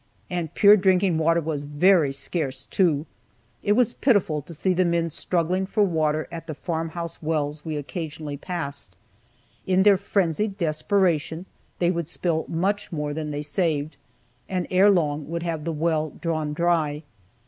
And pure drinking water was very scarce too. It was pitiful to see the men struggling for water at the farm house wells we occasionally passed. In their frenzied desperation they would spill much more than they saved, and ere long would have the well drawn dry.